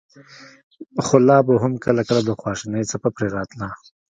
خو لا به هم کله کله د خواشينۍڅپه پرې راتله.